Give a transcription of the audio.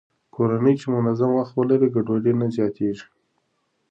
کورنۍ چې منظم وخت ولري، ګډوډي نه زياتېږي.